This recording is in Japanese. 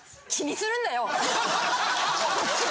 こっちは。